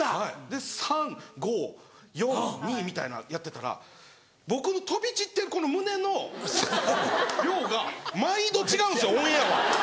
で３５４２みたいなやってたら僕の飛び散ってるこの胸の量が毎度違うんですよオンエアは。